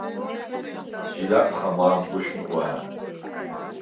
ჟი ლა̈ტხა მა̄მაგვეშ ნუღვა̄̈ნ.